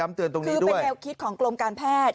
คือเป็นแนวคิดของกรมการแพทย์